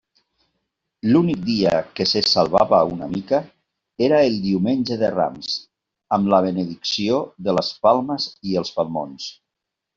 L'únic dia que se salvava una mica era el Diumenge de Rams, amb la benedicció de les palmes i els palmons.